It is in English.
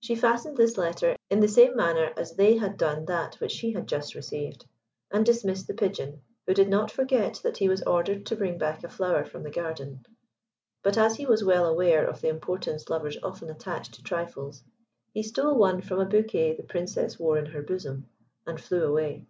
She fastened this letter in the same manner as they had done that which she had just received, and dismissed the Pigeon, who did not forget that he was ordered to bring back a flower from the garden; but as he was well aware of the importance lovers often attach to trifles, he stole one from a bouquet the Princess wore in her bosom, and flew away.